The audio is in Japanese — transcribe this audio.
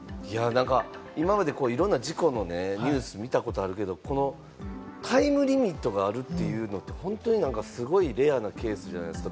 今までいろんな事故のニュース見たことあるけれども、タイムリミットがあるというのって本当にすごいレアなケースじゃないですか。